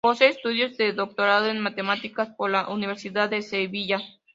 Posee estudios de Doctorado en Matemáticas por la Universidad de Sevilla.